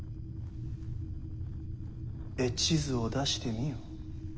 絵地図を出してみよ。